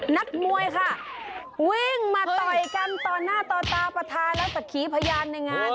นักมวยค่ะวิ่งมาต่อยกันต่อหน้าต่อตาประธานและสักขีพยานในงาน